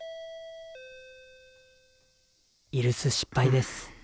居留守失敗です